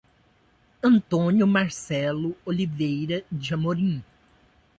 Antônio Marcelo Oliveira de Amorim